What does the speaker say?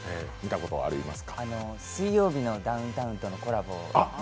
「水曜日のダウンタウン」とのコラボ。